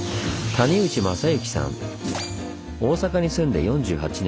大阪に住んで４８年。